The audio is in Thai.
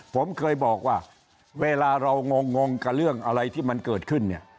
ผมเคยบอกว่าเวลาเรางงกับเรื่องอะไรที่มันเกิดขึ้นเนี่ย